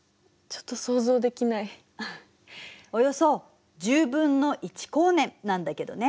およそ１０分の１光年なんだけどね。